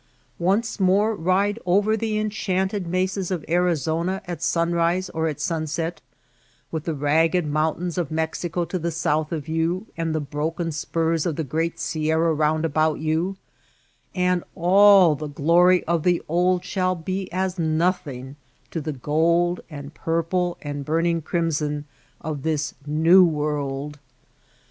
Once more ride over the enchanted mesas of Arizona at sunrise or at sunset, with the ragged mountains of Mexico to the south of you and the broken spurs of the great sierra round about you ; and all the glory of the old shall be as nothing to the gold and purple and burning crimson of this new world.